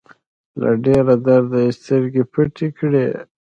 له ډېره درده يې سترګې پټې کړې.